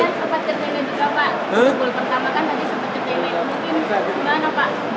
tunggul pertama kan tadi sempat terkini